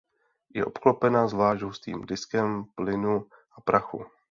Je obklopena zvlášť hustým diskem plynu a prachu.